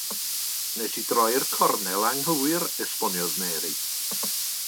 Wnes i droi'r cornel anghywir, esboniodd Mary.